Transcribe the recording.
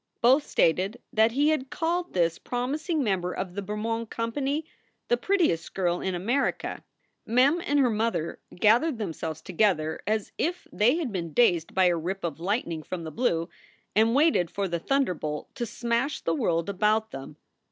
Both stated that he had called this promising member of the Bermond Company "the prettiest girl in America." Mem and her mother gathered themselves together as if SOULS FOR SALE 243 they had been dazed by a rip of lightning from the blue and waited for the thunderbolt to smash the world about them.